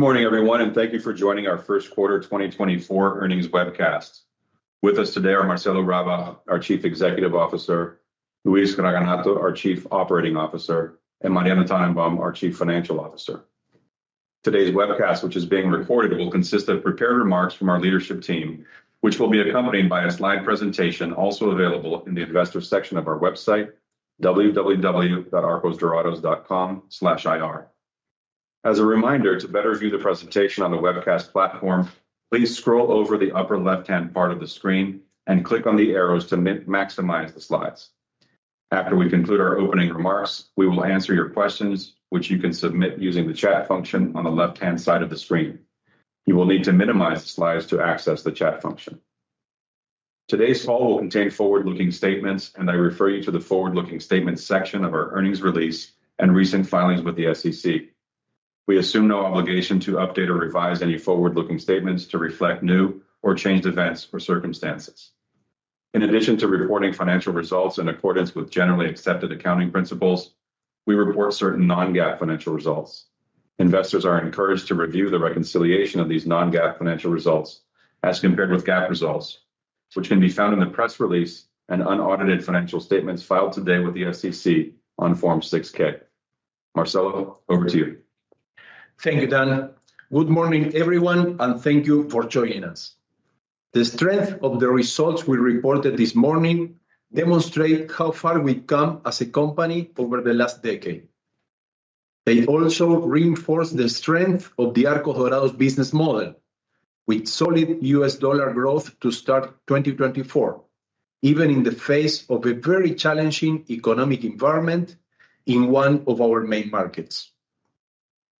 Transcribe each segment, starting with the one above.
Good morning, everyone, and thank you for joining our first quarter 2024 earnings webcast. With us today are Marcelo Rabach, our Chief Executive Officer, Luis Raganato, our Chief Operating Officer, and Mariano Tannenbaum, our Chief Financial Officer. Today's webcast, which is being recorded, will consist of prepared remarks from our leadership team, which will be accompanied by a slide presentation, also available in the investor section of our website, www.arcosdorados.com/ir. As a reminder, to better view the presentation on the webcast platform, please scroll over the upper left-hand part of the screen and click on the arrows to minimize or maximize the slides. After we conclude our opening remarks, we will answer your questions, which you can submit using the chat function on the left-hand side of the screen. You will need to minimize the slides to access the chat function. Today's call will contain forward-looking statements, and I refer you to the forward-looking statements section of our earnings release and recent filings with the SEC. We assume no obligation to update or revise any forward-looking statements to reflect new or changed events or circumstances. In addition to reporting financial results in accordance with generally accepted accounting principles, we report certain non-GAAP financial results. Investors are encouraged to review the reconciliation of these non-GAAP financial results as compared with GAAP results, which can be found in the press release and unaudited financial statements filed today with the SEC on Form 6-K. Marcelo, over to you. Thank you, Dan. Good morning, everyone, and thank you for joining us. The strength of the results we reported this morning demonstrate how far we've come as a company over the last decade. They also reinforce the strength of the Arcos Dorados business model, with solid US dollar growth to start 2024, even in the face of a very challenging economic environment in one of our main markets.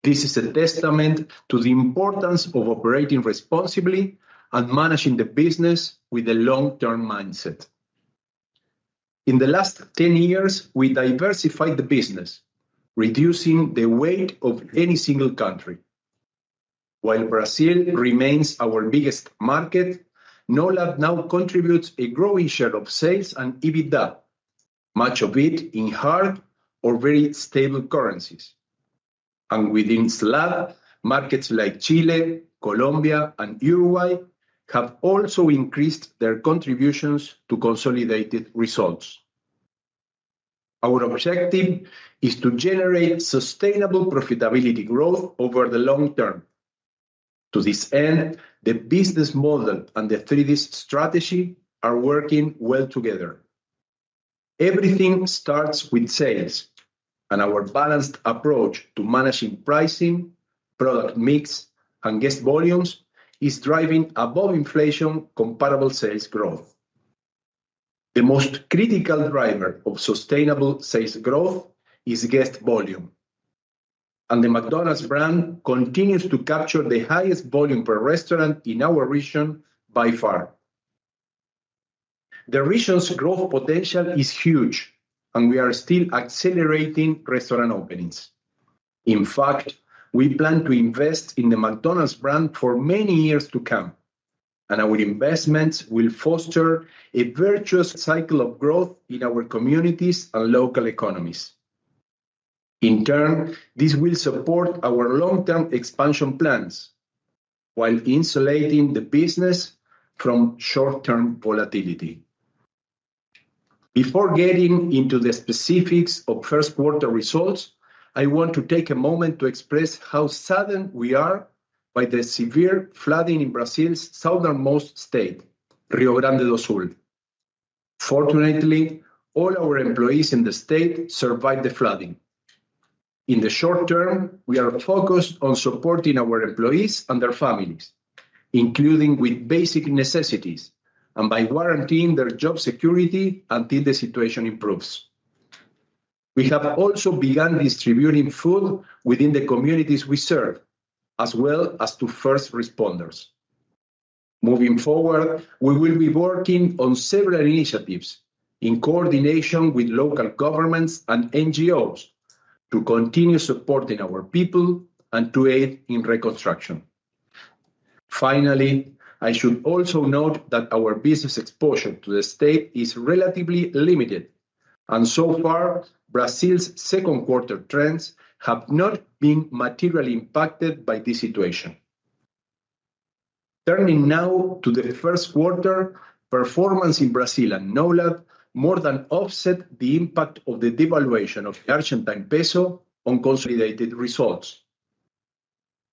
This is a testament to the importance of operating responsibly and managing the business with a long-term mindset. In the last 10 years, we diversified the business, reducing the weight of any single country. While Brazil remains our biggest market, NOLAD now contributes a growing share of sales and EBITDA, much of it in hard or very stable currencies. Within SLAD, markets like Chile, Colombia, and Uruguay have also increased their contributions to consolidated results. Our objective is to generate sustainable profitability growth over the long term. To this end, the business model and the 3D Strategy are working well together. Everything starts with sales, and our balanced approach to managing pricing, product mix, and guest volumes is driving above inflation comparable sales growth. The most critical driver of sustainable sales growth is guest volume, and the McDonald's brand continues to capture the highest volume per restaurant in our region by far. The region's growth potential is huge, and we are still accelerating restaurant openings. In fact, we plan to invest in the McDonald's brand for many years to come, and our investments will foster a virtuous cycle of growth in our communities and local economies. In turn, this will support our long-term expansion plans while insulating the business from short-term volatility. Before getting into the specifics of first quarter results, I want to take a moment to express how saddened we are by the severe flooding in Brazil's southernmost state, Rio Grande do Sul. Fortunately, all our employees in the state survived the flooding. In the short term, we are focused on supporting our employees and their families, including with basic necessities and by guaranteeing their job security until the situation improves. We have also begun distributing food within the communities we serve, as well as to first responders. Moving forward, we will be working on several initiatives in coordination with local governments and NGOs to continue supporting our people and to aid in reconstruction. Finally, I should also note that our business exposure to the state is relatively limited, and so far, Brazil's second quarter trends have not been materially impacted by this situation. Turning now to the first quarter, performance in Brazil and NOLAD more than offset the impact of the devaluation of the Argentine peso on consolidated results.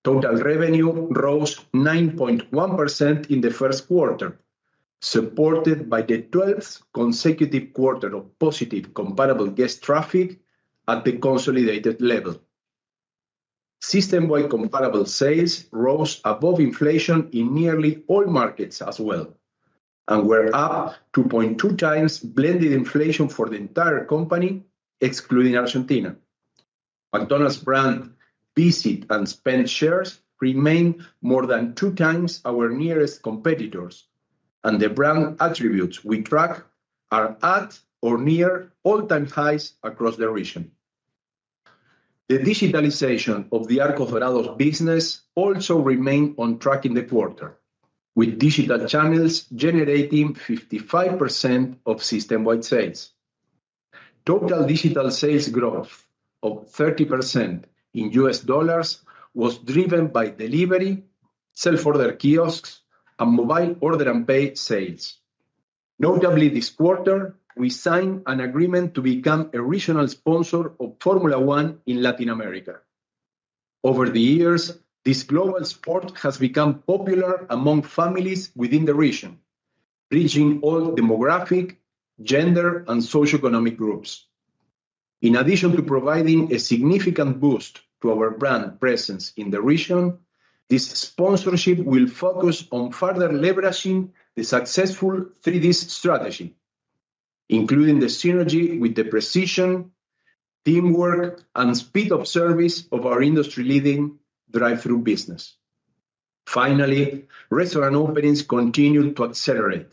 Total revenue rose 9.1% in the first quarter, supported by the 12th consecutive quarter of positive comparable guest traffic at the consolidated level. System-wide comparable sales rose above inflation in nearly all markets as well, and were up 2.2 times blended inflation for the entire company, excluding Argentina. McDonald's brand visit and spend shares remain more than two times our nearest competitors, and the brand attributes we track are at or near all-time highs across the region. The digitalization of the Arcos Dorados business also remained on track in the quarter, with digital channels generating 55% of system-wide sales.... Total digital sales growth of 30% in U.S. dollars was driven by delivery, self-order kiosks, and mobile order and pay sales. Notably, this quarter, we signed an agreement to become a regional sponsor of Formula One in Latin America. Over the years, this global sport has become popular among families within the region, reaching all demographic, gender, and socioeconomic groups. In addition to providing a significant boost to our brand presence in the region, this sponsorship will focus on further leveraging the successful 3D strategy, including the synergy with the precision, teamwork, and speed of service of our industry-leading drive-thru business. Finally, restaurant openings continued to accelerate.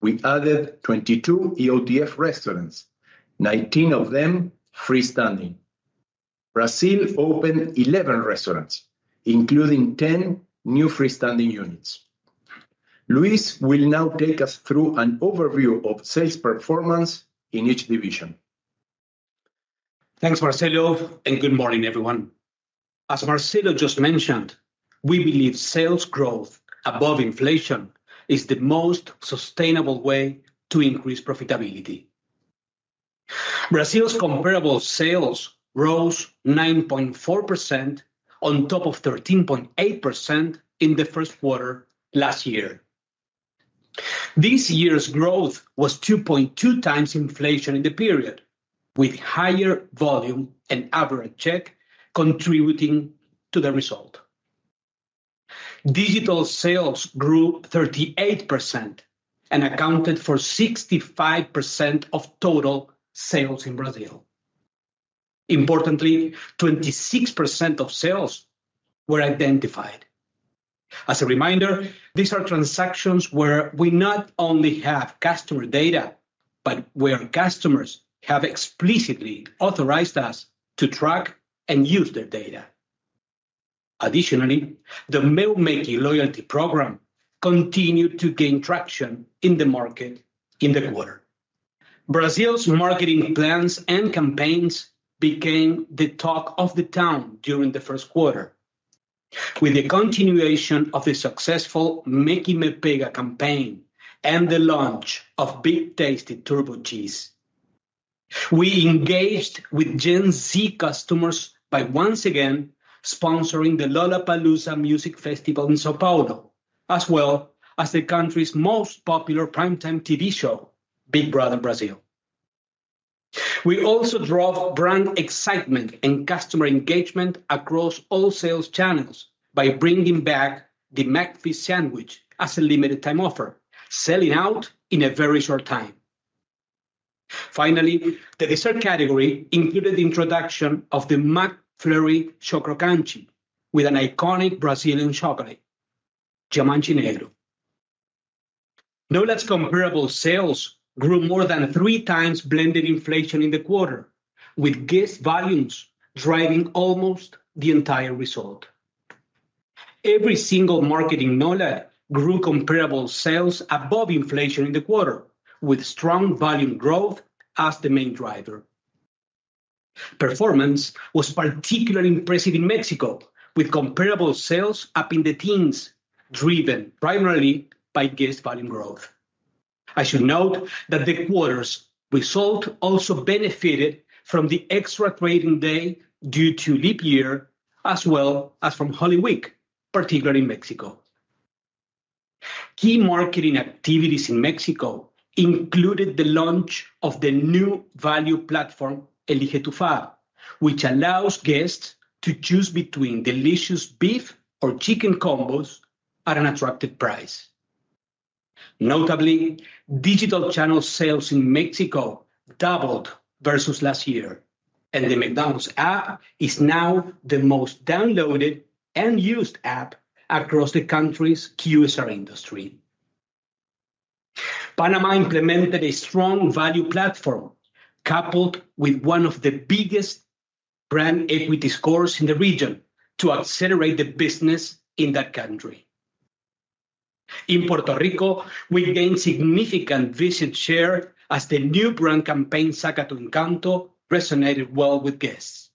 We added 22 EOTF restaurants, 19 of them freestanding. Brazil opened 11 restaurants, including 10 new freestanding units. Luis will now take us through an overview of sales performance in each division. Thanks, Marcelo, and good morning, everyone. As Marcelo just mentioned, we believe sales growth above inflation is the most sustainable way to increase profitability. Brazil's comparable sales rose 9.4% on top of 13.8% in the first quarter last year. This year's growth was 2.2 times inflation in the period, with higher volume and average check contributing to the result. Digital sales grew 38% and accounted for 65% of total sales in Brazil. Importantly, 26% of sales were identified. As a reminder, these are transactions where we not only have customer data, but where customers have explicitly authorized us to track and use their data. Additionally, the Meu Méqui Loyalty program continued to gain traction in the market in the quarter. Brazil's marketing plans and campaigns became the talk of the town during the first quarter, with the continuation of the successful Méqui Me Pega campaign and the launch of Big Tasty Turbo Cheese. We engaged with Gen Z customers by once again sponsoring the Lollapalooza Music Festival in São Paulo, as well as the country's most popular primetime TV show, Big Brother Brasil. We also drove brand excitement and customer engagement across all sales channels by bringing back the McFish sandwich as a limited time offer, selling out in a very short time. Finally, the dessert category included the introduction of the McFlurry Chocrocante, with an iconic Brazilian chocolate, Diamante Negro. NOLAD's comparable sales grew more than three times blended inflation in the quarter, with guest volumes driving almost the entire result. Every single market in NOLAD grew comparable sales above inflation in the quarter, with strong volume growth as the main driver. Performance was particularly impressive in Mexico, with comparable sales up in the teens, driven primarily by guest volume growth. I should note that the quarter's result also benefited from the extra trading day due to leap year, as well as from Holy Week, particularly in Mexico. Key marketing activities in Mexico included the launch of the new value platform, Elige tu Fav, which allows guests to choose between delicious beef or chicken combos at an attractive price. Notably, digital channel sales in Mexico doubled versus last year, and the McDonald's app is now the most downloaded and used app across the country's QSR industry. Panama implemented a strong value platform, coupled with one of the biggest brand equity scores in the region to accelerate the business in that country. In Puerto Rico, we gained significant visit share as the new brand campaign, Saca Tu Encanto, resonated well with guests.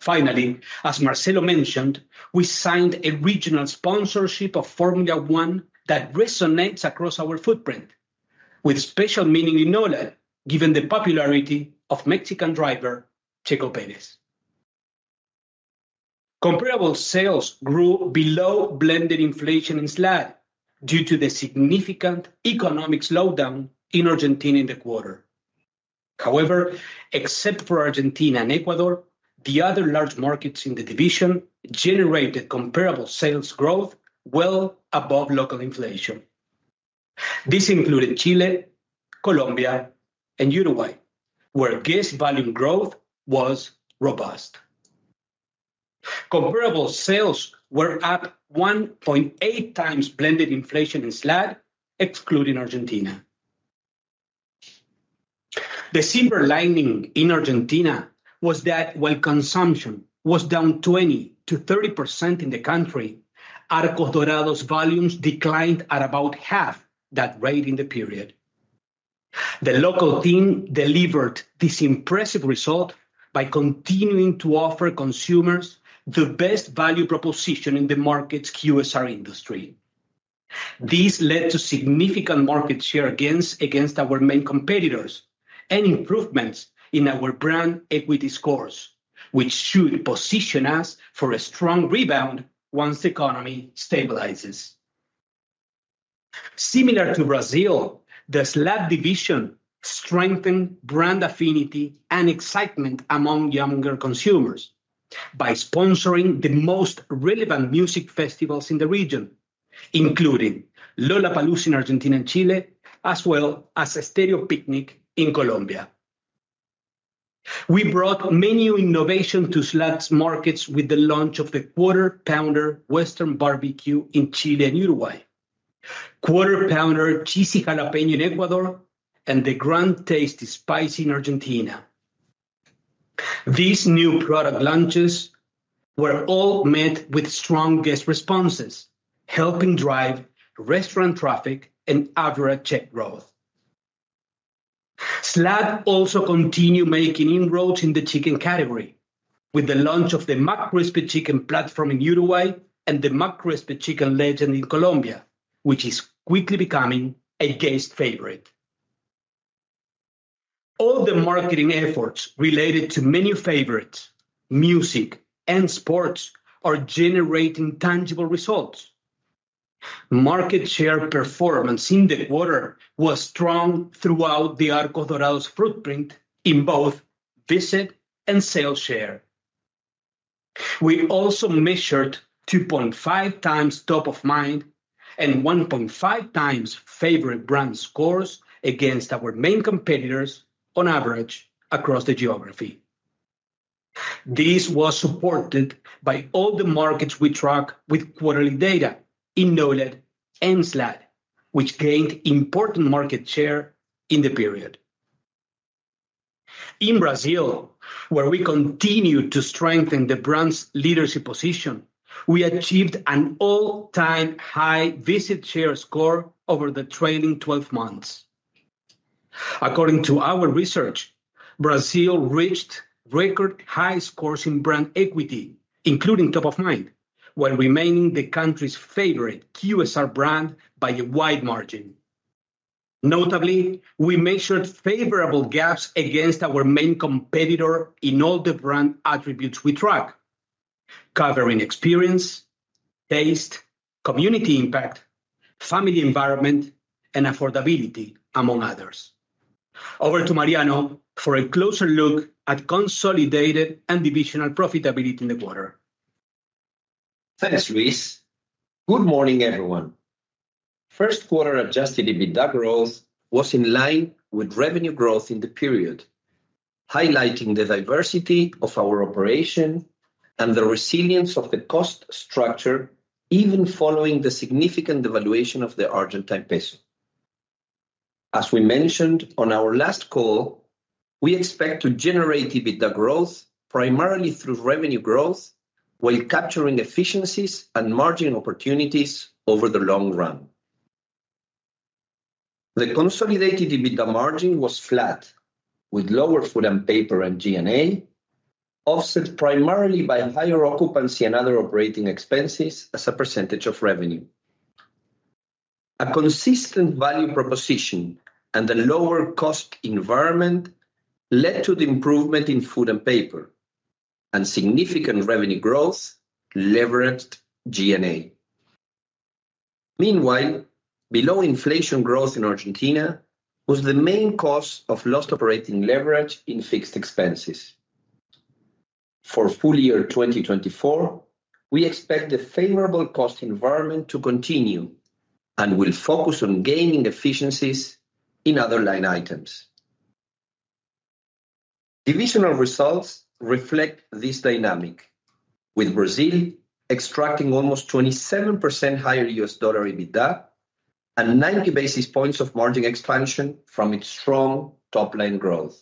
Finally, as Marcelo mentioned, we signed a regional sponsorship of Formula 1 that resonates across our footprint, with special meaning in NOLAD, given the popularity of Mexican driver, Checo Pérez. Comparable sales grew below blended inflation in SLAD due to the significant economic slowdown in Argentina in the quarter. However, except for Argentina and Ecuador, the other large markets in the division generated comparable sales growth well above local inflation. This included Chile, Colombia, and Uruguay, where guest volume growth was robust. Comparable sales were up 1.8 times blended inflation in SLAD, excluding Argentina. The silver lining in Argentina was that while consumption was down 20%-30% in the country, Arcos Dorados volumes declined at about half that rate in the period. The local team delivered this impressive result by continuing to offer consumers the best value proposition in the market's QSR industry. This led to significant market share gains against our main competitors and improvements in our brand equity scores, which should position us for a strong rebound once the economy stabilizes. Similar to Brazil, the SLAD division strengthened brand affinity and excitement among younger consumers by sponsoring the most relevant music festivals in the region, including Lollapalooza in Argentina and Chile, as well as Estéreo Picnic in Colombia. We brought menu innovation to SLAD's markets with the launch of the Quarter Pounder Western Barbecue in Chile and Uruguay, Quarter Pounder Cheesy Jalapeño in Ecuador, and the Grand Tasty Spicy in Argentina. These new product launches were all met with strong guest responses, helping drive restaurant traffic and average check growth. SLAD also continued making inroads in the chicken category, with the launch of the McCrispy Chicken Platform in Uruguay and the McCrispy Chicken Legend in Colombia, which is quickly becoming a guest favorite. All the marketing efforts related to menu favorites, music, and sports are generating tangible results. Market share performance in the quarter was strong throughout the Arcos Dorados footprint in both visit and sale share. We also measured 2.5 times top of mind and 1.5 times favorite brand scores against our main competitors on average across the geography. This was supported by all the markets we track with quarterly data in NOLAD and SLAD, which gained important market share in the period. In Brazil, where we continue to strengthen the brand's leadership position, we achieved an all-time high visit share score over the trailing 12 months. According to our research, Brazil reached record high scores in brand equity, including top of mind, while remaining the country's favorite QSR brand by a wide margin. Notably, we measured favorable gaps against our main competitor in all the brand attributes we track, covering experience, taste, community impact, family environment, and affordability, among others. Over to Mariano for a closer look at consolidated and divisional profitability in the quarter. Thanks, Luis. Good morning, everyone. First quarter adjusted EBITDA growth was in line with revenue growth in the period, highlighting the diversity of our operation and the resilience of the cost structure, even following the significant devaluation of the Argentine peso. As we mentioned on our last call, we expect to generate EBITDA growth primarily through revenue growth, while capturing efficiencies and margin opportunities over the long run. The consolidated EBITDA margin was flat, with lower food and paper and G&A, offset primarily by higher occupancy and other operating expenses as a percentage of revenue. A consistent value proposition and a lower cost environment led to the improvement in food and paper, and significant revenue growth leveraged G&A. Meanwhile, below inflation growth in Argentina was the main cause of lost operating leverage in fixed expenses. For full year 2024, we expect the favorable cost environment to continue, and we'll focus on gaining efficiencies in other line items. Divisional results reflect this dynamic, with Brazil extracting almost 27% higher US dollar EBITDA and 90 basis points of margin expansion from its strong top-line growth.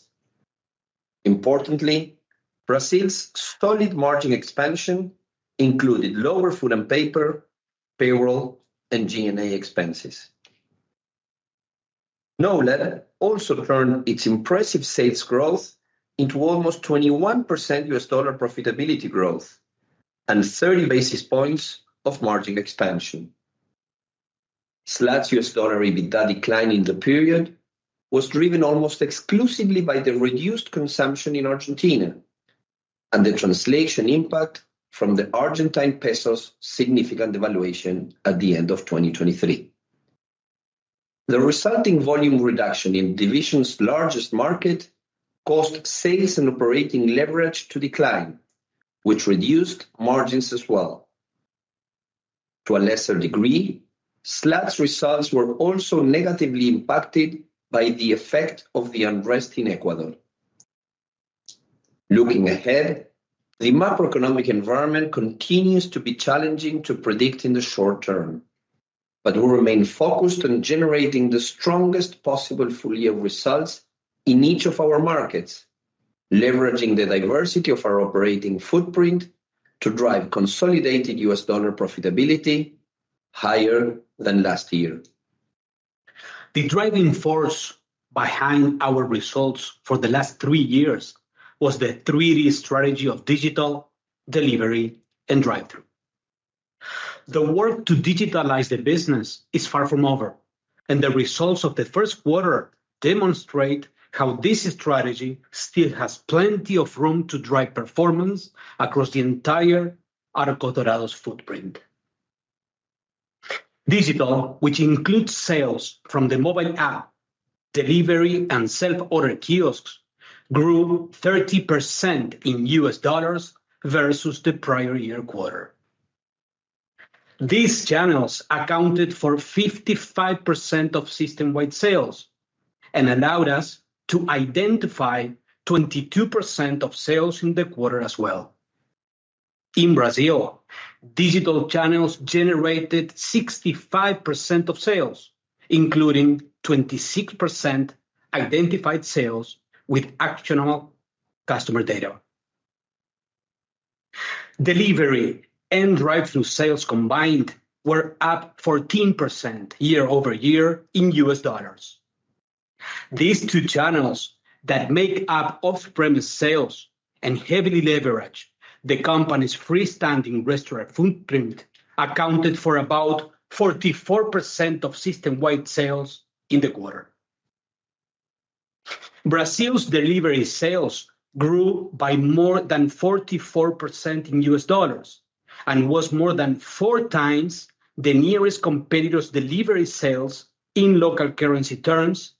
Importantly, Brazil's solid margin expansion included lower food and paper, payroll, and G&A expenses. NOLAD also turned its impressive sales growth into almost 21% US dollar profitability growth and 30 basis points of margin expansion. SLAD's US dollar EBITDA decline in the period was driven almost exclusively by the reduced consumption in Argentina and the translation impact from the Argentine peso's significant devaluation at the end of 2023. The resulting volume reduction in the division's largest market caused sales and operating leverage to decline, which reduced margins as well. To a lesser degree, SLAD's results were also negatively impacted by the effect of the unrest in Ecuador. Looking ahead, the macroeconomic environment continues to be challenging to predict in the short term. But we remain focused on generating the strongest possible full-year results in each of our markets, leveraging the diversity of our operating footprint to drive consolidated U.S. dollar profitability higher than last year. The driving force behind our results for the last three years was the 3D strategy of digital, delivery, and drive-thru. The work to digitalize the business is far from over, and the results of the first quarter demonstrate how this strategy still has plenty of room to drive performance across the entire Arcos Dorados footprint. Digital, which includes sales from the mobile app, delivery, and self-order kiosks, grew 30% in U.S. dollars versus the prior year quarter. These channels accounted for 55% of system-wide sales and allowed us to identify 22% of sales in the quarter as well. In Brazil, digital channels generated 65% of sales, including 26% identified sales with actionable customer data. Delivery and drive-thru sales combined were up 14% year-over-year in U.S. dollars. These two channels that make up off-premise sales and heavily leverage the company's freestanding restaurant footprint accounted for about 44% of system-wide sales in the quarter. Brazil's delivery sales grew by more than 44% in U.S. dollars and was more than 4 times the nearest competitor's delivery sales in local currency terms,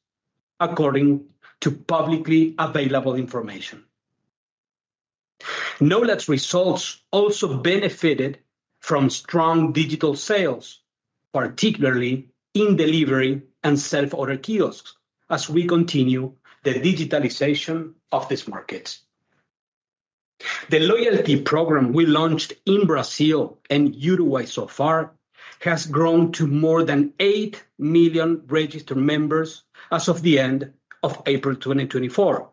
according to publicly available information. NOLAD results also benefited from strong digital sales, particularly in delivery and self-order kiosks, as we continue the digitalization of these markets. The loyalty program we launched in Brazil and Uruguay so far has grown to more than 8 million registered members as of the end of April 2024,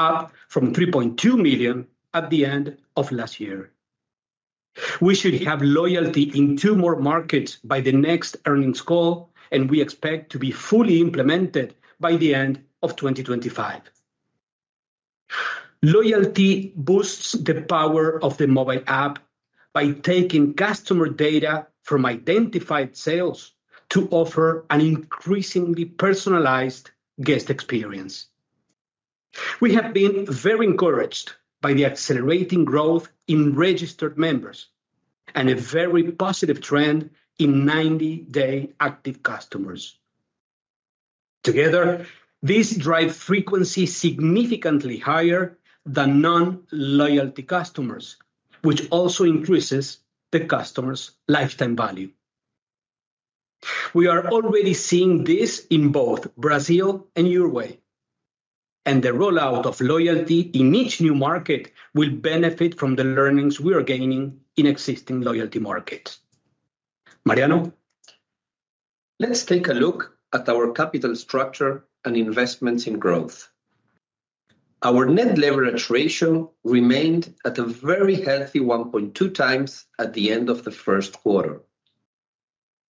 up from 3.2 million at the end of last year. We should have loyalty in two more markets by the next earnings call, and we expect to be fully implemented by the end of 2025. Loyalty boosts the power of the mobile app by taking customer data from identified sales to offer an increasingly personalized guest experience. We have been very encouraged by the accelerating growth in registered members and a very positive trend in 90-day active customers. Together, these drive frequency significantly higher than non-loyalty customers, which also increases the customer's lifetime value. We are already seeing this in both Brazil and Uruguay, and the rollout of loyalty in each new market will benefit from the learnings we are gaining in existing loyalty markets. Mariano? Let's take a look at our capital structure and investments in growth. Our net leverage ratio remained at a very healthy 1.2 times at the end of the first quarter.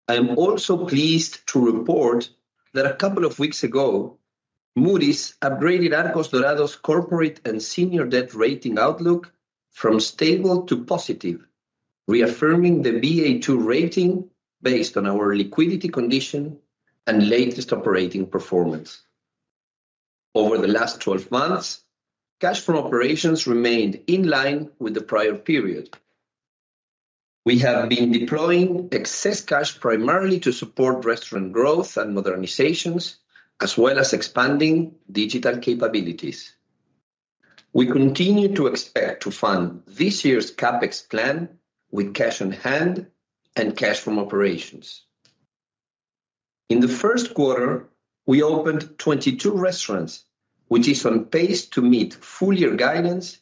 I am also pleased to report that a couple of weeks ago, Moody's upgraded Arcos Dorados' corporate and senior debt rating outlook from stable to positive, reaffirming the Baa2 rating based on our liquidity condition and latest operating performance. Over the last 12 months, cash from operations remained in line with the prior period. We have been deploying excess cash primarily to support restaurant growth and modernizations, as well as expanding digital capabilities. We continue to expect to fund this year's CapEx plan with cash on hand and cash from operations. In the first quarter, we opened 22 restaurants, which is on pace to meet full year guidance,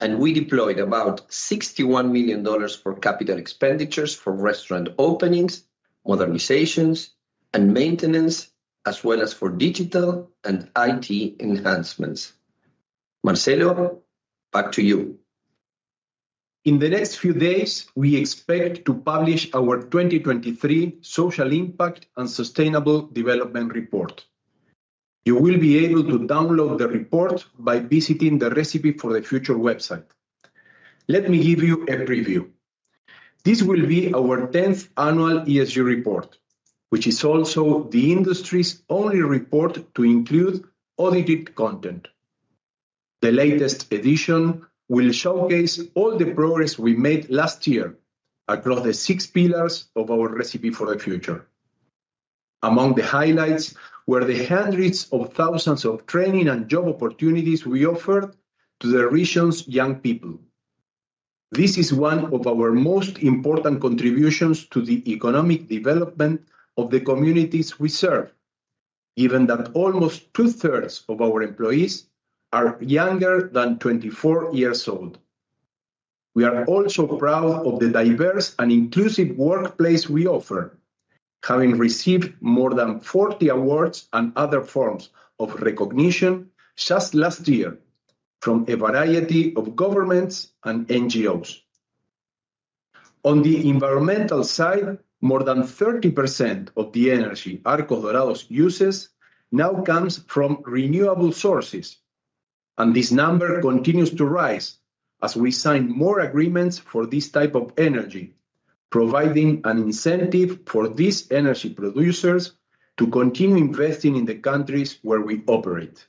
and we deployed about $61 million for capital expenditures for restaurant openings, modernizations, and maintenance, as well as for digital and IT enhancements. Marcelo, back to you. In the next few days, we expect to publish our 2023 Social Impact and Sustainable Development report. You will be able to download the report by visiting the Recipe for the Future website. Let me give you a preview. This will be our 10th annual ESG report, which is also the industry's only report to include audited content. The latest edition will showcase all the progress we made last year across the 6 pillars of our Recipe for the Future. Among the highlights were the hundreds of thousands of training and job opportunities we offered to the region's young people. This is one of our most important contributions to the economic development of the communities we serve, given that almost two-thirds of our employees are younger than 24 years old. We are also proud of the diverse and inclusive workplace we offer, having received more than 40 awards and other forms of recognition just last year from a variety of governments and NGOs. On the environmental side, more than 30% of the energy Arcos Dorados uses now comes from renewable sources, and this number continues to rise as we sign more agreements for this type of energy, providing an incentive for these energy producers to continue investing in the countries where we operate.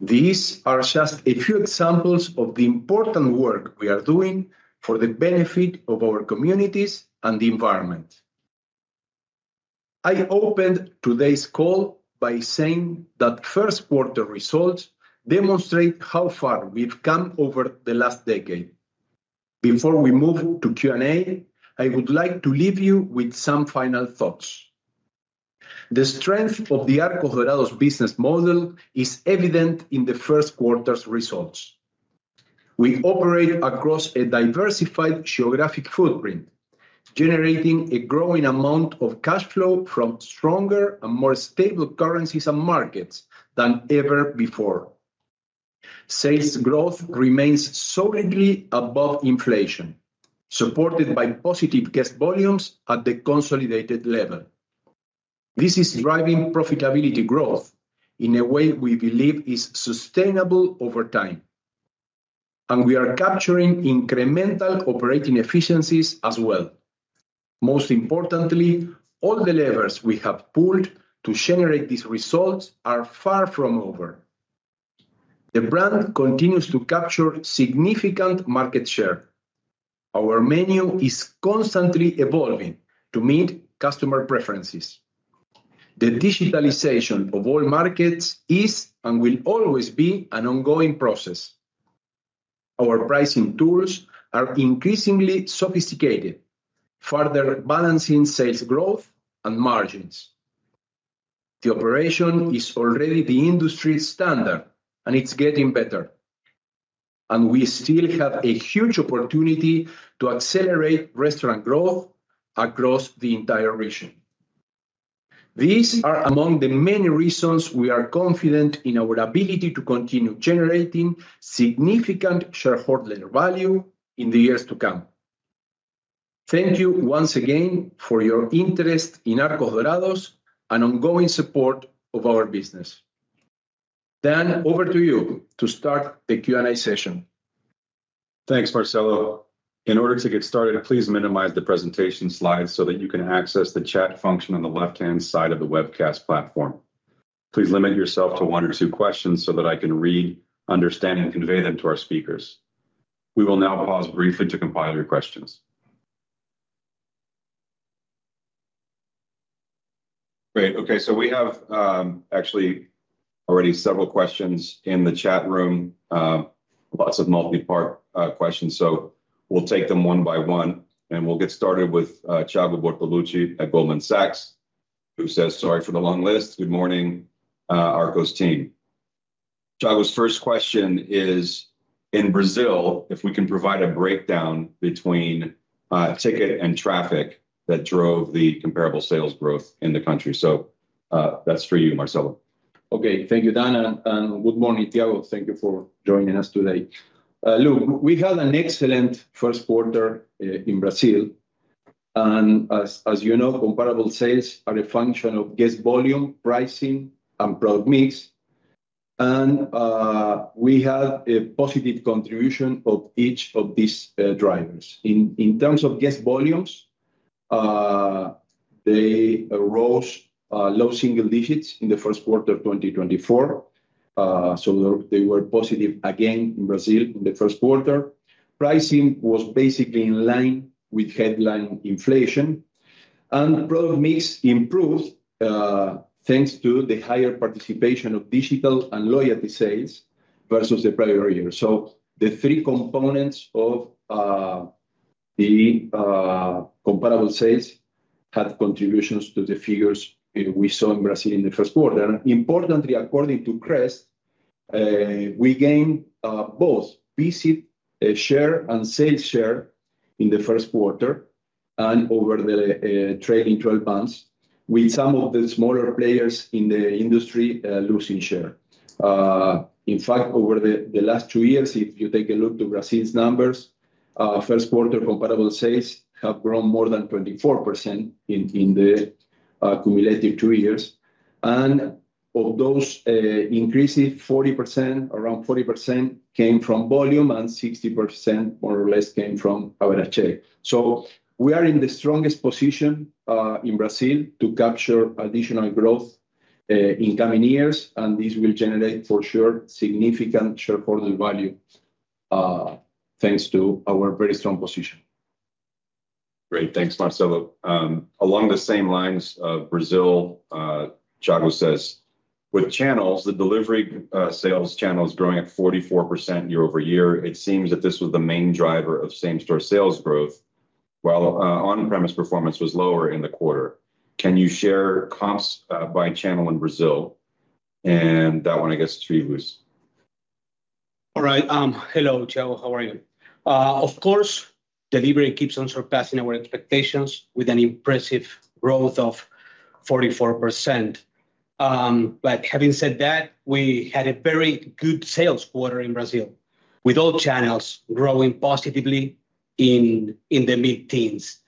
These are just a few examples of the important work we are doing for the benefit of our communities and the environment. I opened today's call by saying that first quarter results demonstrate how far we've come over the last decade. Before we move to Q&A, I would like to leave you with some final thoughts. The strength of the Arcos Dorados business model is evident in the first quarter's results. We operate across a diversified geographic footprint, generating a growing amount of cash flow from stronger and more stable currencies and markets than ever before. Sales growth remains solidly above inflation, supported by positive guest volumes at the consolidated level. This is driving profitability growth in a way we believe is sustainable over time, and we are capturing incremental operating efficiencies as well. Most importantly, all the levers we have pulled to generate these results are far from over. The brand continues to capture significant market share. Our menu is constantly evolving to meet customer preferences. The digitalization of all markets is and will always be an ongoing process. Our pricing tools are increasingly sophisticated, further balancing sales growth and margins. The operation is already the industry standard, and it's getting better, and we still have a huge opportunity to accelerate restaurant growth across the entire region. These are among the many reasons we are confident in our ability to continue generating significant shareholder value in the years to come. Thank you once again for your interest in Arcos Dorados and ongoing support of our business. Dan, over to you to start the Q&A session. Thanks, Marcelo. In order to get started, please minimize the presentation slides so that you can access the chat function on the left-hand side of the webcast platform. Please limit yourself to one or two questions so that I can read, understand, and convey them to our speakers. We will now pause briefly to compile your questions. Great. Okay, so we have, actually already several questions in the chat room. Lots of multi-part questions, so we'll take them one by one, and we'll get started with Tiago Bortoluzzi at Goldman Sachs, who says, "Sorry for the long list. Good morning, Arcos team." Tiago's first question is, in Brazil, if we can provide a breakdown between ticket and traffic that drove the comparable sales growth in the country. So, that's for you, Marcelo. Okay. Thank you, Dan, and good morning, Tiago. Thank you for joining us today. Look, we had an excellent first quarter in Brazil, and as you know, comparable sales are a function of guest volume, pricing, and product mix. We had a positive contribution of each of these drivers. In terms of guest volumes, they rose low single digits in the first quarter of 2024. So they were positive again in Brazil in the first quarter. Pricing was basically in line with headline inflation, and product mix improved thanks to the higher participation of digital and loyalty sales versus the prior year. So the three components of the comparable sales had contributions to the figures we saw in Brazil in the first quarter. Importantly, according to Crest, we gained both visit share and sales share in the first quarter and over the trailing 12 months, with some of the smaller players in the industry losing share. In fact, over the last two years, if you take a look to Brazil's numbers, first quarter comparable sales have grown more than 24% in the cumulative two years. And of those increases, 40%, around 40% came from volume, and 60%, more or less, came from [RHA]. So we are in the strongest position in Brazil to capture additional growth in coming years, and this will generate, for sure, significant shareholder value thanks to our very strong position. Great. Thanks, Marcelo. Along the same lines of Brazil, Tiago says: "With channels, the delivery, sales channel is growing at 44% year-over-year, it seems that this was the main driver of same-store sales growth, while, on-premise performance was lower in the quarter. Can you share comps, by channel in Brazil?..." and that one, I guess, to you, Luis. All right, hello, Tiago, how are you? Of course, delivery keeps on surpassing our expectations with an impressive growth of 44%. But having said that, we had a very good sales quarter in Brazil, with all channels growing positively in the mid-teens.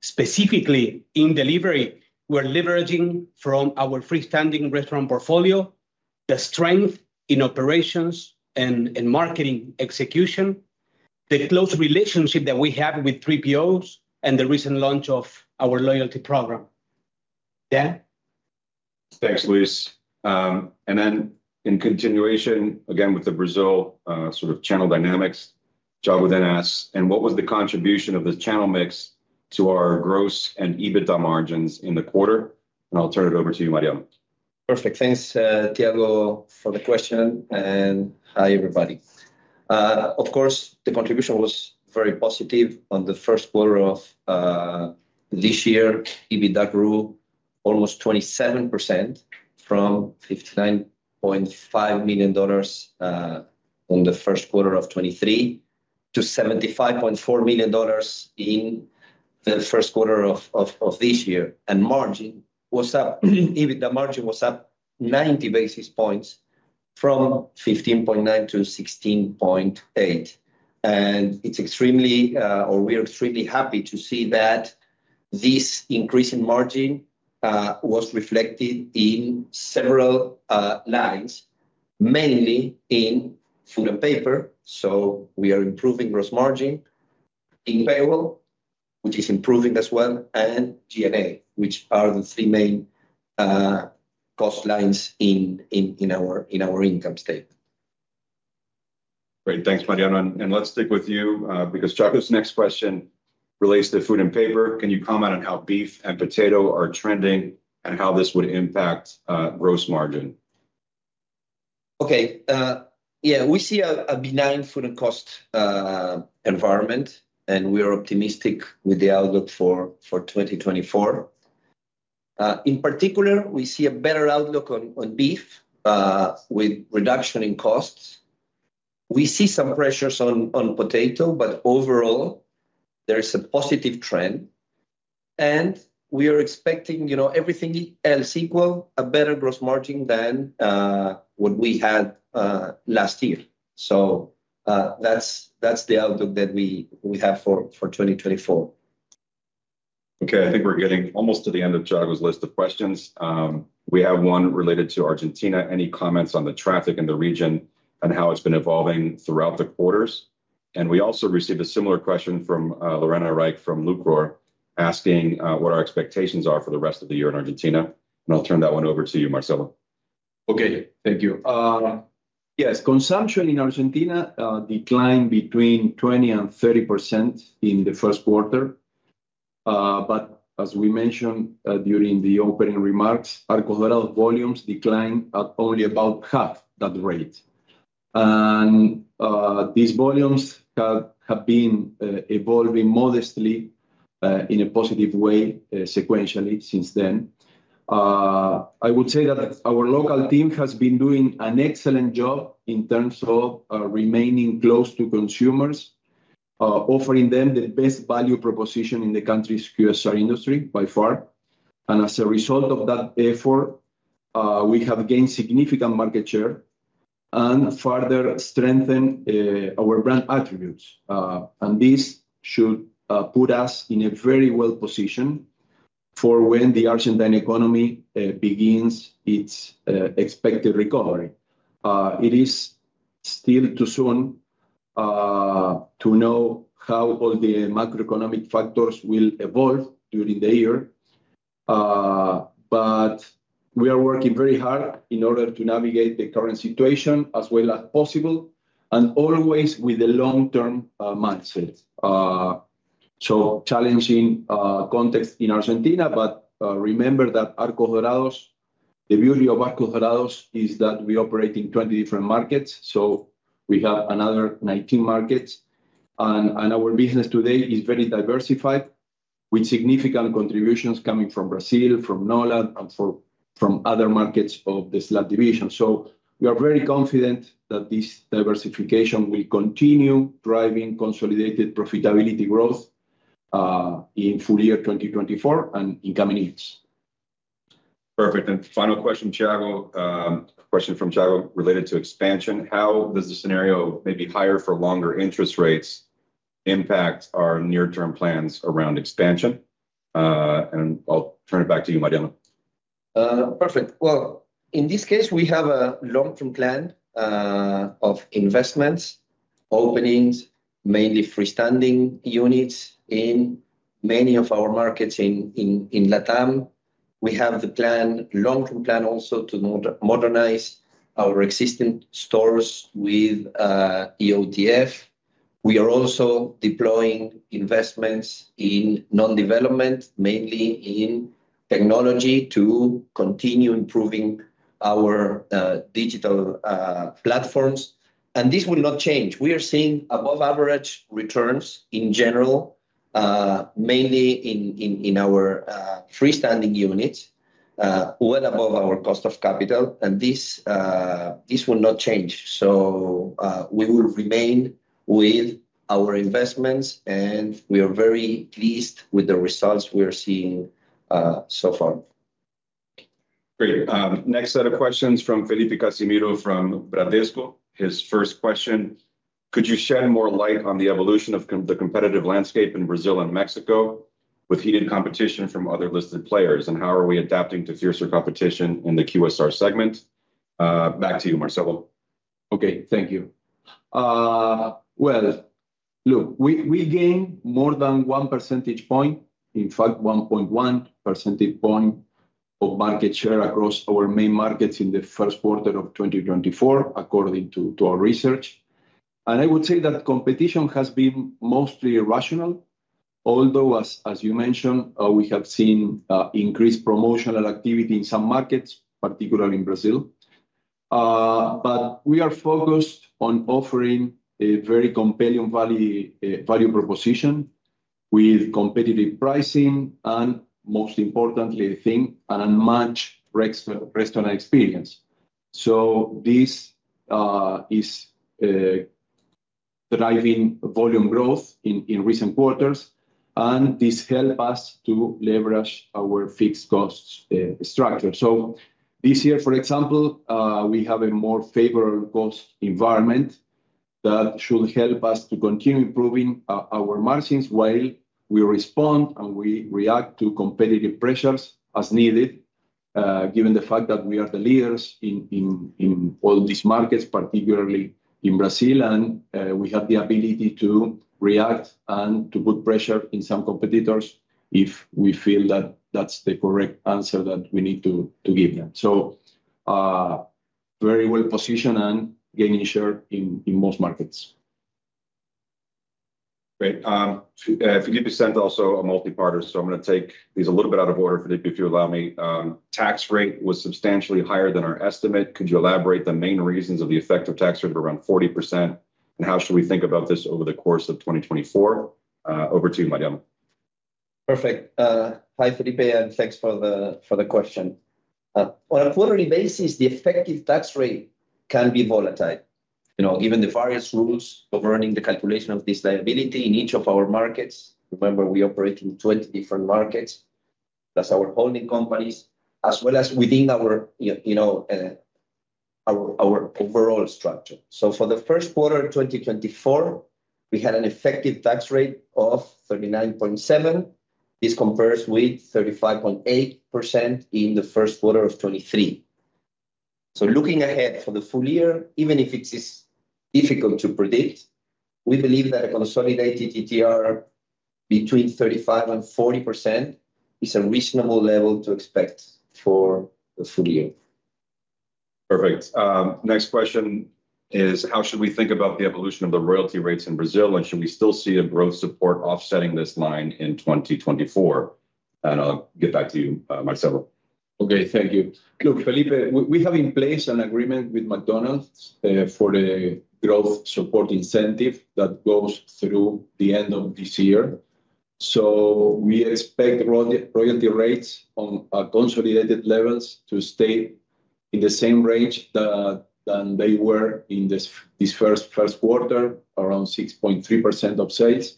Specifically, in delivery, we're leveraging from our freestanding restaurant portfolio, the strength in operations and marketing execution, the close relationship that we have with 3POs, and the recent launch of our loyalty program. Dan? Thanks, Luis. And then in continuation, again, with the Brazil, sort of channel dynamics, Tiago then asks, "And what was the contribution of the channel mix to our gross and EBITDA margins in the quarter?" I'll turn it over to you, Mariano. Perfect. Thanks, Thiago, for the question, and hi, everybody. Of course, the contribution was very positive on the first quarter of this year. EBITDA grew almost 27%, from $59.5 million in the first quarter of 2023, to $75.4 million in the first quarter of this year. And margin was up, EBITDA margin was up 90 basis points, from 15.9 to 16.8. And it's extremely... or we are extremely happy to see that this increase in margin was reflected in several lines, mainly in food and paper. So we are improving gross margin in payroll, which is improving as well, and G&A, which are the three main cost lines in our income statement. Great. Thanks, Mariano. And let's stick with you, because Thiago's next question relates to food and paper. Can you comment on how beef and potato are trending, and how this would impact gross margin? Okay, yeah, we see a benign food and cost environment, and we are optimistic with the outlook for 2024. In particular, we see a better outlook on beef with reduction in costs. We see some pressures on potato, but overall, there is a positive trend, and we are expecting, you know, everything else equal, a better gross margin than what we had last year. So, that's the outlook that we have for 2024. Okay, I think we're getting almost to the end of Thiago's list of questions. We have one related to Argentina. Any comments on the traffic in the region and how it's been evolving throughout the quarters? And we also received a similar question from Lorena Reich from Lucror, asking what our expectations are for the rest of the year in Argentina, and I'll turn that one over to you, Marcelo. Okay. Thank you. Yes, consumption in Argentina declined between 20% and 30% in the first quarter. But as we mentioned during the opening remarks, Arcos Dorados volumes declined at only about half that rate. These volumes have been evolving modestly in a positive way sequentially since then. I would say that our local team has been doing an excellent job in terms of remaining close to consumers, offering them the best value proposition in the country's QSR industry by far. As a result of that effort, we have gained significant market share and further strengthen our brand attributes. This should put us in a very well position for when the Argentine economy begins its expected recovery. It is still too soon to know how all the macroeconomic factors will evolve during the year. But we are working very hard in order to navigate the current situation as well as possible, and always with a long-term mindset. So challenging context in Argentina, but remember that Arcos Dorados, the beauty of Arcos Dorados is that we operate in 20 different markets, so we have another 19 markets. And our business today is very diversified, with significant contributions coming from Brazil, from NOLAD, and from other markets of the SLAD division. So we are very confident that this diversification will continue driving consolidated profitability growth in full year 2024 and in coming years. Perfect. Final question, Tiago, a question from Tiago related to expansion: how does the scenario may be higher for longer interest rates impact our near-term plans around expansion? I'll turn it back to you, Mariano. Perfect. Well, in this case, we have a long-term plan of investments, openings, mainly freestanding units in many of our markets in Latam. We have the plan, long-term plan also to modernize our existing stores with EOTF. We are also deploying investments in non-development, mainly in technology, to continue improving our digital platforms, and this will not change. We are seeing above average returns in general, mainly in our freestanding units, well above our cost of capital. And this will not change. So, we will remain with our investments, and we are very pleased with the results we are seeing so far. Great. Next set of questions from Felipe Casimiro, from Bradesco. His first question: Could you shed more light on the evolution of the competitive landscape in Brazil and Mexico, with heated competition from other listed players? And how are we adapting to fiercer competition in the QSR segment? Back to you, Marcelo. Okay. Thank you. Well, look, we, we gained more than 1 percentage point, in fact, 1.1 percentage point of market share across our main markets in the first quarter of 2024, according to our research. And I would say that competition has been mostly irrational, although as you mentioned, we have seen increased promotional activity in some markets, particularly in Brazil. But we are focused on offering a very compelling value value proposition, with competitive pricing, and most importantly, I think, and a much restaurant experience. So this is driving volume growth in recent quarters, and this help us to leverage our fixed cost structure. So this year, for example, we have a more favorable cost environment that should help us to continue improving our margins while we respond and we react to competitive pressures as needed. Given the fact that we are the leaders in all these markets, particularly in Brazil, and we have the ability to react and to put pressure in some competitors if we feel that that's the correct answer that we need to give them. So, very well positioned and gaining share in most markets. Great. Felipe sent also a multi-parter, so I'm going to take these a little bit out of order, Felipe, if you allow me. Tax rate was substantially higher than our estimate. Could you elaborate the main reasons of the effective tax rate of around 40%, and how should we think about this over the course of 2024? Over to you, Mariano. Perfect. Hi, Felipe, and thanks for the, for the question. On a quarterly basis, the effective tax rate can be volatile. You know, given the various rules governing the calculation of this liability in each of our markets, remember, we operate in 20 different markets. That's our holding companies, as well as within our, you know, our overall structure. So for the first quarter of 2024, we had an effective tax rate of 39.7. This compares with 35.8% in the first quarter of 2023. So looking ahead for the full year, even if it is difficult to predict, we believe that a consolidated ETR between 35%-40% is a reasonable level to expect for the full year. Perfect. Next question is, how should we think about the evolution of the royalty rates in Brazil, and should we still see a growth support offsetting this line in 2024? And I'll get back to you, Marcelo. Okay. Thank you. Look, Felipe, we have in place an agreement with McDonald's for the growth support incentive that goes through the end of this year. So we expect royalty rates on a consolidated levels to stay in the same range than they were in this first quarter, around 6.3% of sales.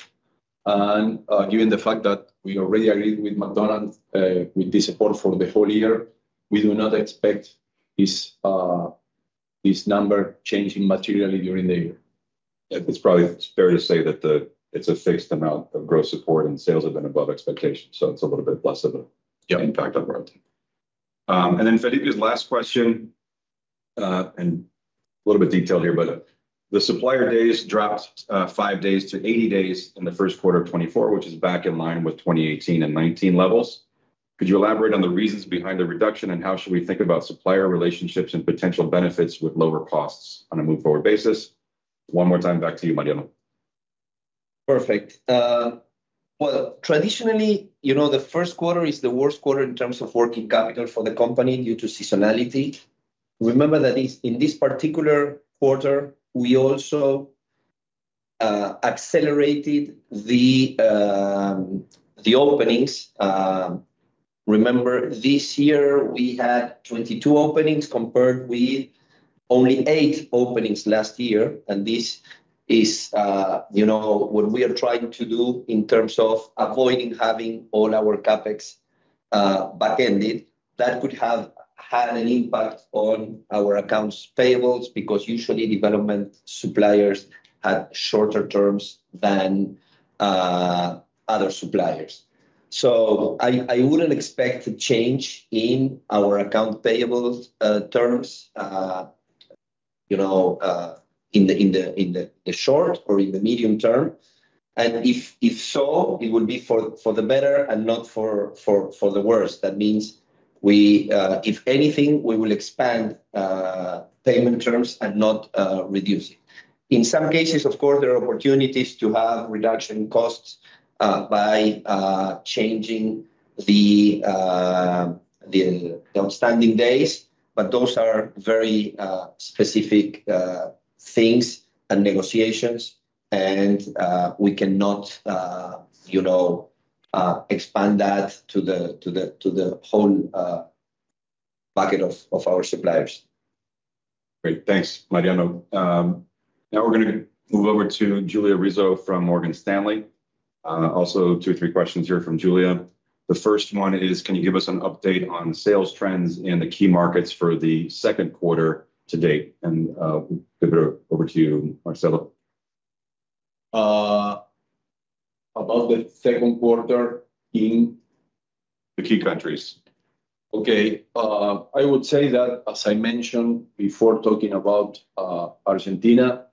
And, given the fact that we already agreed with McDonald's with this support for the whole year, we do not expect this number changing materially during the year. It's probably fair to say that it's a fixed amount of growth support, and sales have been above expectations, so it's a little bit less of a- Yeah... impact on royalty. And then Felipe's last question, and a little bit detailed here, but the supplier days dropped, 5 days to 80 days in the first quarter of 2024, which is back in line with 2018 and 2019 levels. Could you elaborate on the reasons behind the reduction, and how should we think about supplier relationships and potential benefits with lower costs on a move forward basis? One more time, back to you, Mariano. Perfect. Well, traditionally, you know, the first quarter is the worst quarter in terms of working capital for the company due to seasonality. Remember that in, in this particular quarter, we also accelerated the, the openings. Remember, this year we had 22 openings, compared with only eight openings last year, and this is, you know, what we are trying to do in terms of avoiding having all our CapEx, backended. That could have had an impact on our accounts payables, because usually development suppliers have shorter terms than, other suppliers. So I, I wouldn't expect a change in our account payables, terms, you know, in the, in the, in the, the short or in the medium term. And if, if so, it would be for, for the better and not for, for, for the worse. That means we... If anything, we will expand payment terms and not reduce it. In some cases, of course, there are opportunities to have reduction in costs by changing the outstanding days, but those are very specific things and negotiations and we cannot, you know, expand that to the whole bucket of our suppliers. Great. Thanks, Mariano. Now we're gonna move over to Julia Rizzo from Morgan Stanley. Also two, three questions here from Julia. The first one is, "Can you give us an update on sales trends in the key markets for the second quarter to date?" And, give it over to you, Marcelo. About the second quarter in? The key countries. Okay. I would say that, as I mentioned before, talking about Argentina,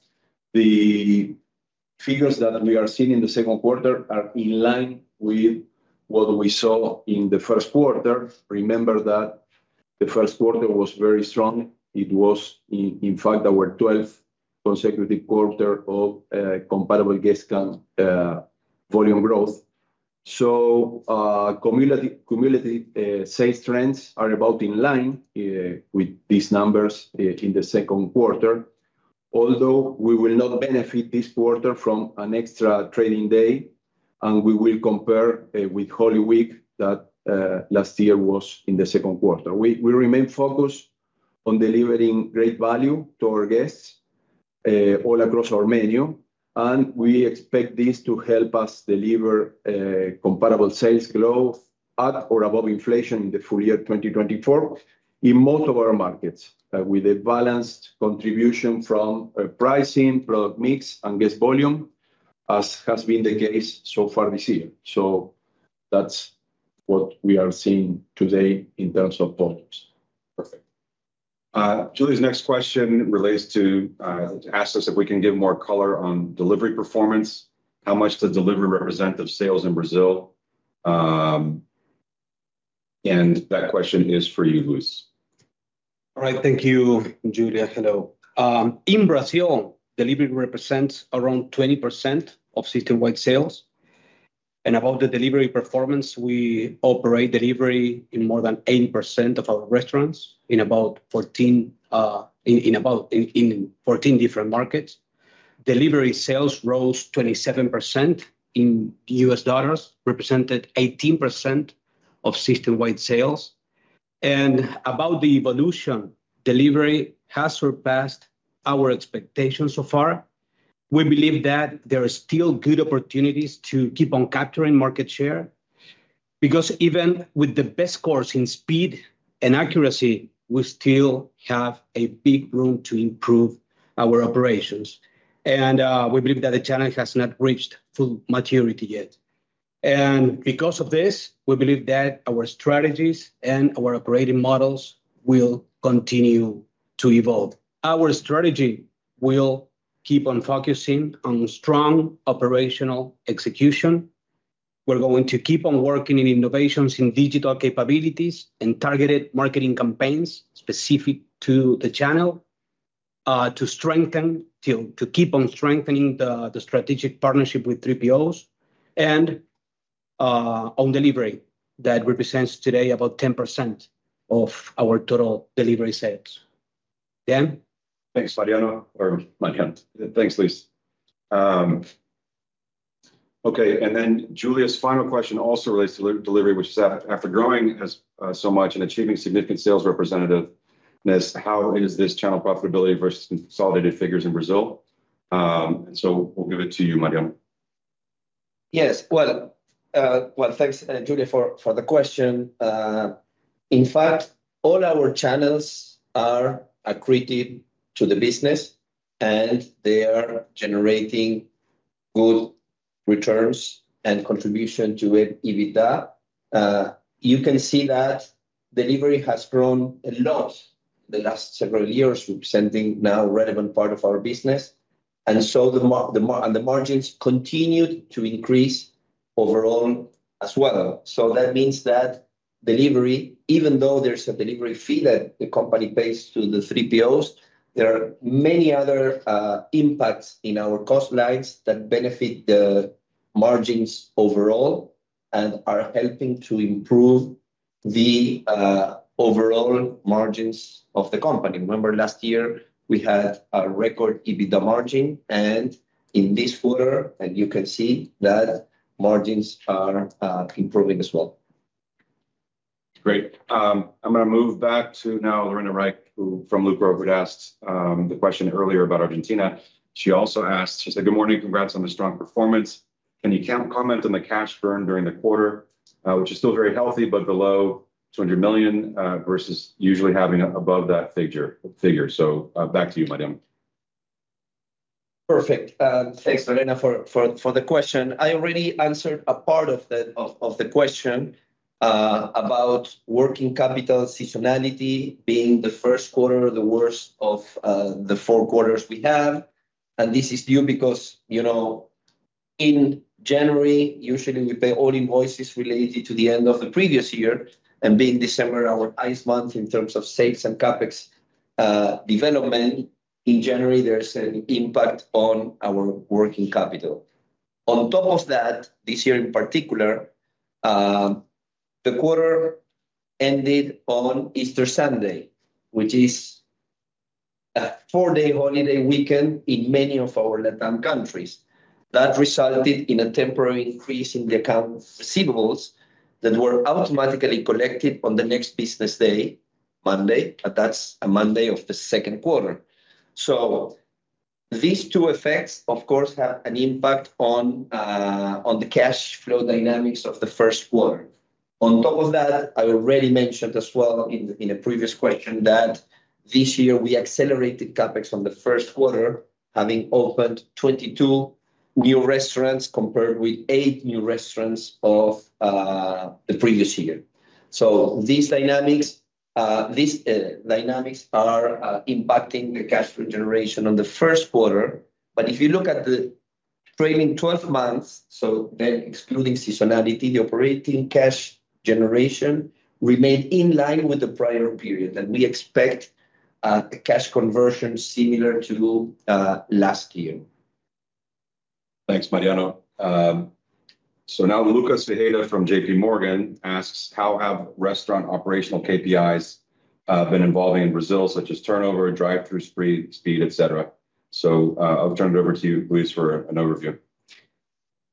the figures that we are seeing in the second quarter are in line with what we saw in the first quarter. Remember that the first quarter was very strong. It was, in fact, our 12th consecutive quarter of comparable guest count volume growth. So, comparable sales trends are about in line with these numbers in the second quarter. Although we will not benefit this quarter from an extra trading day, and we will compare with Holy Week that last year was in the second quarter. We, we remain focused on delivering great value to our guests, all across our menu, and we expect this to help us deliver, comparable sales growth at or above inflation in the full year 2024 in most of our markets. With a balanced contribution from pricing, product mix, and guest volume, as has been the case so far this year. So that's what we are seeing today in terms of volumes. Perfect. Julia's next question relates to asks us if we can give more color on delivery performance. How much does delivery represent of sales in Brazil? And that question is for you, Luis. All right, thank you, Julia. Hello. In Brazil, delivery represents around 20% of system-wide sales. About the delivery performance, we operate delivery in more than 80% of our restaurants, in about 14 different markets. Delivery sales rose 27% in US dollars, represented 18% of system-wide sales. About the evolution, delivery has surpassed our expectations so far. We believe that there are still good opportunities to keep on capturing market share, because even with the best course in speed and accuracy, we still have a big room to improve our operations. We believe that the channel has not reached full maturity yet. Because of this, we believe that our strategies and our operating models will continue to evolve. Our strategy will keep on focusing on strong operational execution. We're going to keep on working in innovations in digital capabilities and targeted marketing campaigns specific to the channel, to keep on strengthening the strategic partnership with 3POs and own delivery that represents today about 10% of our total delivery sales. Dan? Thanks, Mariano, or Mariano. Thanks, Luis. Okay, and then Julia's final question also relates to delivery, which is that, after growing so much and achieving significant sales representativeness, how is this channel profitability versus consolidated figures in Brazil? So we'll give it to you, Mariano. Yes. Well, thanks, Julia, for the question. In fact, all our channels are accretive to the business, and they are generating good returns and contribution to EBITDA. You can see that delivery has grown a lot in the last several years, representing now a relevant part of our business. And so the margins continued to increase overall as well. So that means that delivery, even though there's a delivery fee that the company pays to the 3POs, there are many other impacts in our cost lines that benefit the margins overall, and are helping to improve the overall margins of the company. Remember last year, we had a record EBITDA margin, and in this quarter, you can see that margins are improving as well. Great. I'm gonna move back to now, Lorena Reich, who from Lucror Analytics, had asked the question earlier about Argentina. She also asked. She said, "Good morning. Congrats on the strong performance. Can you comment on the cash burn during the quarter, which is still very healthy, but below $200 million, versus usually having above that figure?" So, back to you, Mariano. Perfect. Thanks, Lorena, for the question. I already answered a part of the question about working capital seasonality being the first quarter, the worst of the four quarters we have. And this is due because, you know, in January, usually we pay all invoices related to the end of the previous year, and being December, our highest month in terms of sales and CapEx development, in January, there's an impact on our working capital. On top of that, this year in particular, the quarter ended on Easter Sunday, which is a four-day holiday weekend in many of our Latin countries. That resulted in a temporary increase in the account receivables that were automatically collected on the next business day, Monday, but that's a Monday of the second quarter. So these two effects, of course, have an impact on the cash flow dynamics of the first quarter. On top of that, I already mentioned as well in a previous question that this year we accelerated CapEx on the first quarter, having opened 22 new restaurants, compared with eight new restaurants of the previous year. So these dynamics are impacting the cash flow generation on the first quarter. If you look at the trailing 12 months, so then excluding seasonality, the operating cash generation remained in line with the prior period, and we expect a cash conversion similar to last year. Thanks, Mariano. So now Lucas Ferreira from JP Morgan asks: "How have restaurant operational KPIs been evolving in Brazil, such as turnover, drive-through, throughput speed, et cetera?" So, I'll turn it over to you, Luis, for an overview.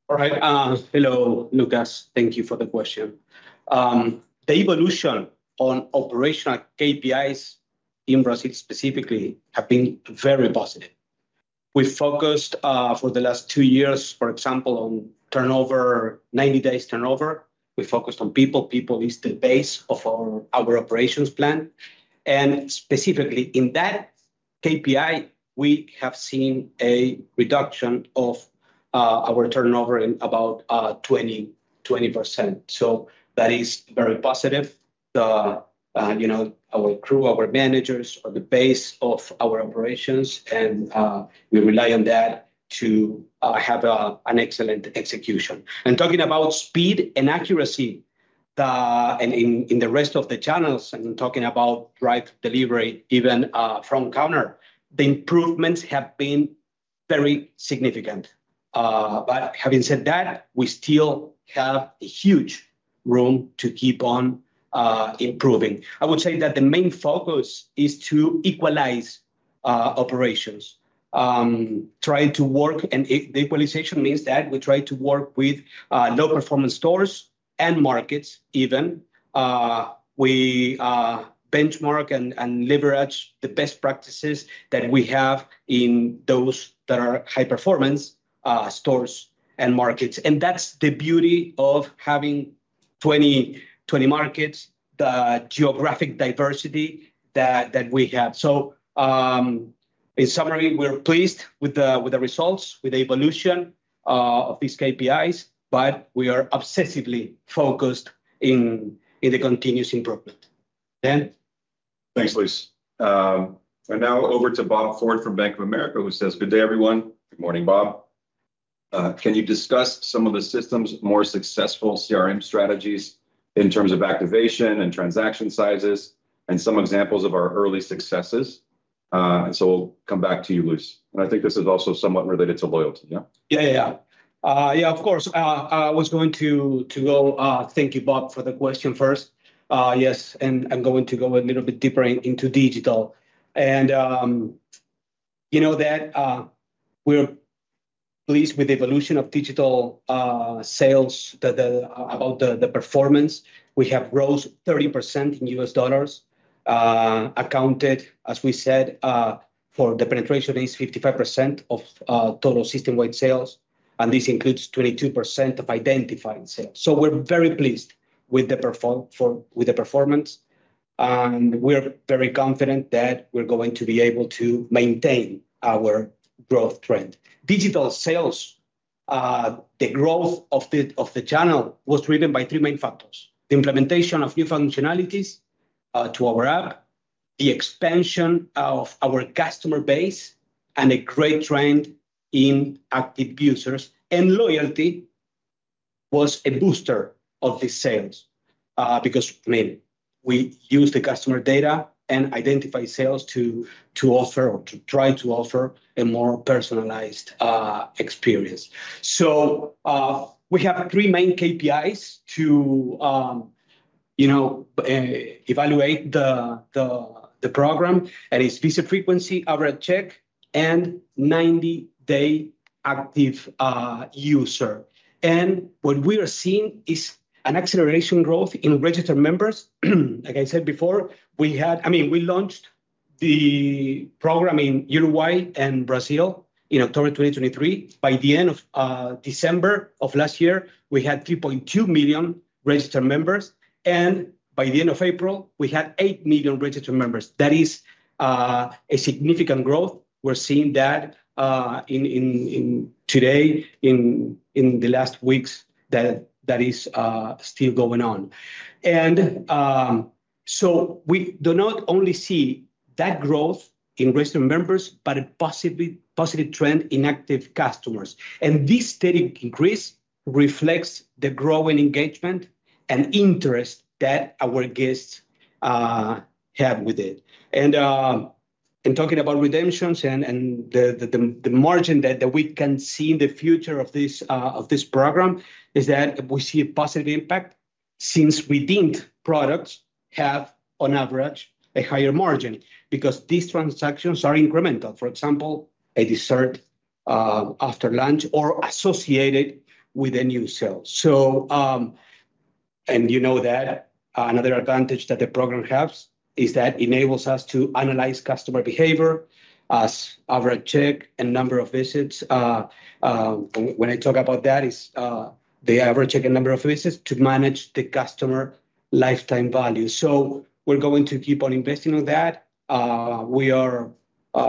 All right. Hello, Lucas. Thank you for the question. The evolution on operational KPIs in Brazil specifically have been very positive. We focused for the last two years, for example, on turnover, 90 days turnover. We focused on people, people is the base of our operations plan, and specifically in that KPI, we have seen a reduction of our turnover in about 20-20%. So that is very positive. You know, our crew, our managers are the base of our operations, and we rely on that to have an excellent execution. And talking about speed and accuracy and in the rest of the channels, and talking about drive delivery, even from counter, the improvements have been very significant. But having said that, we still have a huge room to keep on improving. I would say that the main focus is to equalize operations. Trying to work, and the equalization means that we try to work with low-performance stores and markets even. We benchmark and leverage the best practices that we have in those that are high-performance stores and markets. And that's the beauty of having 20 markets, the geographic diversity that we have. So, in summary, we're pleased with the results, with the evolution of these KPIs, but we are obsessively focused in the continuous improvement. Dan? Thanks, Luis. And now over to Bob Ford from Bank of America, who says, "Good day, everyone." Good morning, Bob. "Can you discuss some of the system's more successful CRM strategies in terms of activation and transaction sizes, and some examples of our early successes?" And so we'll come back to you, Luis. I think this is also somewhat related to loyalty, yeah? Yeah, yeah, yeah. Yeah, of course. I was going to go. Thank you, Bob, for the question first. Yes, and I'm going to go a little bit deeper into digital. You know that we're pleased with the evolution of digital sales, about the performance. We have rose 30% in US dollars, accounted, as we said, for the penetration is 55% of total system-wide sales, and this includes 22% of identified sales. So we're very pleased with the performance, and we're very confident that we're going to be able to maintain our growth trend. Digital sales, the growth of the channel was driven by three main factors: the implementation of new functionalities to our app, the expansion of our customer base, and a great trend in active users. Loyalty was a booster of the sales, because, I mean, we use the customer data and identify sales to offer or to try to offer a more personalized experience. So, we have three main KPIs to, you know, evaluate the program, and is visit frequency, average check, and 90-day active user. What we are seeing is an acceleration growth in registered members. Like I said before, I mean, we launched the program in Uruguay and Brazil in October 2023. By the end of December of last year, we had 3.2 million registered members, and by the end of April, we had 8 million registered members. That is a significant growth. We're seeing that in the last weeks, that is still going on. And so we do not only see that growth in registered members, but a possibly positive trend in active customers. And this steady increase reflects the growing engagement and interest that our guests have with it. And talking about redemptions and the margin that we can see in the future of this program, is that we see a positive impact since redeemed products have, on average, a higher margin. Because these transactions are incremental. For example, a dessert after lunch or associated with a new sale. So, and you know that another advantage that the program has is that enables us to analyze customer behavior as average check and number of visits. When I talk about that, is the average check and number of visits to manage the customer lifetime value. So we're going to keep on investing on that. We are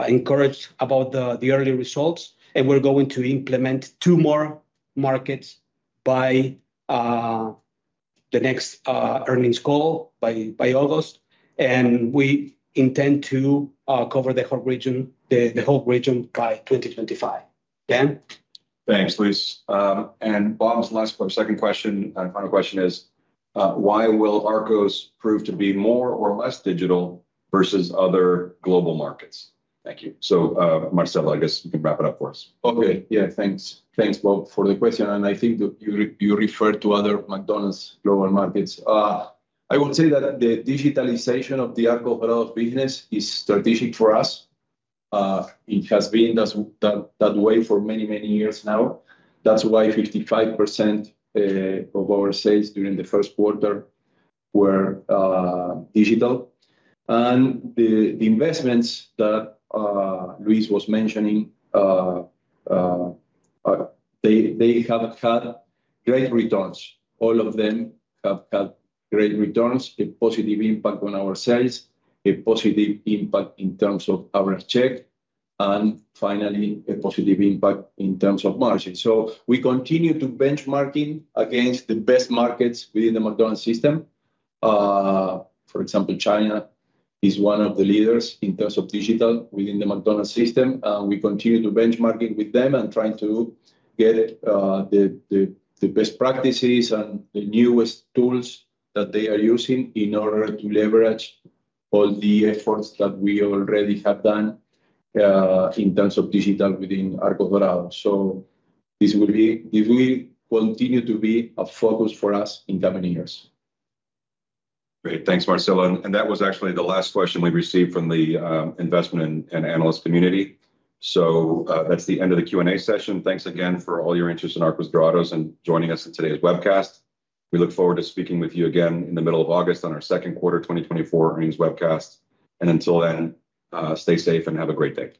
encouraged about the early results, and we're going to implement two more markets by the next earnings call by August. And we intend to cover the whole region by 2025. Dan? Thanks, Luis. Bob's last but second question and final question is, "Why will Arcos prove to be more or less digital versus other global markets? Thank you." Marcelo, I guess you can wrap it up for us. Okay. Yeah, thanks. Thanks, Bob, for the question, and I think that you referred to other McDonald's global markets. I will say that the digitalization of the Arcos Dorados business is strategic for us. It has been that way for many, many years now. That's why 55% of our sales during the first quarter were digital. And the investments that Luis was mentioning, they have had great returns. All of them have had great returns, a positive impact on our sales, a positive impact in terms of average check, and finally, a positive impact in terms of margin. So we continue to benchmarking against the best markets within the McDonald's system. For example, China is one of the leaders in terms of digital within the McDonald's system, and we continue to benchmark it with them and trying to get the best practices and the newest tools that they are using in order to leverage all the efforts that we already have done in terms of digital within Arcos Dorados. So this will be- this will continue to be a focus for us in coming years. Great. Thanks, Marcelo. And that was actually the last question we received from the investment and analyst community. So, that's the end of the Q&A session. Thanks again for all your interest in Arcos Dorados and joining us in today's webcast. We look forward to speaking with you again in the middle of August on our second quarter 2024 earnings webcast. Until then, stay safe and have a great day.